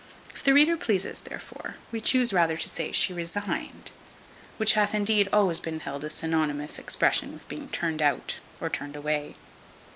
If the reader pleases, therefore, we chuse rather to say she resigned which hath, indeed, been always held a synonymous expression with being turned out, or turned away.